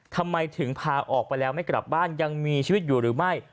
ทำไมถึงพาออกไปแล้วไม่กลับบ้านยังมีชีวิตอยู่หรือไม่